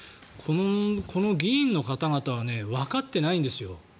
この議員の方々はわかってないんですよ。